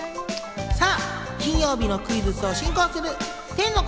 さぁ金曜日のクイズッスを進行する天の声